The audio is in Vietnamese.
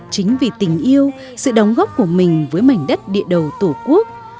chính vì tình yêu sự đóng góp của mình với mảnh đất địa đầu tổ quốc